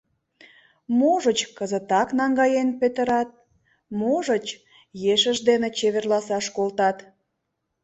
Можыч, кызытак наҥгаен петырат, можыч, ешыж дене чеверласаш колтат...